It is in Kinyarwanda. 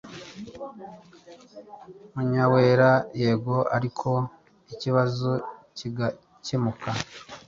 Munyawera:Yego ariko ikibazo kigakemuka.